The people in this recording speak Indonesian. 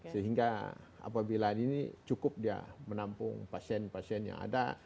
sehingga apabila ini cukup dia menampung pasien pasien yang ada